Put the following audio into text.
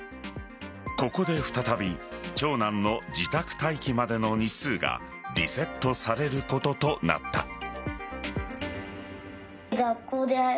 ここで再び長男の自宅待機までの日数がリセットされることとなった。